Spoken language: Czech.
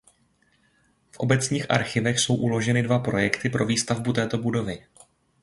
V obecních archivech jsou uloženy dva projekty pro výstavbu této budovy.